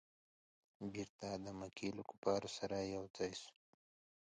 بیرته د مکې له کفارو سره یو ځای سو.